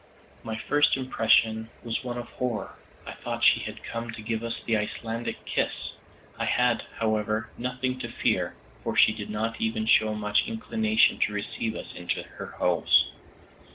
My first impression was one of horror. I thought she had come to give us the Icelandic kiss. I had, however, nothing to fear, for she did not even show much inclination to receive us into her house.